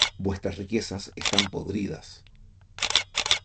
Vuestras riquezas están podridas: